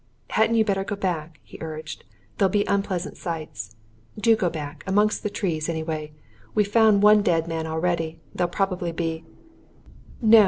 "Hadn't you better go back?" he urged. "There'll be unpleasant sights. Do go back! amongst the trees, anyway. We've found one dead man already, and there'll probably be " "No!"